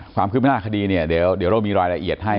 ความคืบหน้าคดีเนี่ยเดี๋ยวเรามีรายละเอียดให้